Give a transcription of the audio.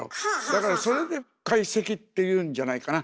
だからそれで「懐石」っていうんじゃないかな。